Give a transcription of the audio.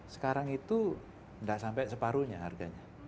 sekarang itu tidak sampai separuhnya harganya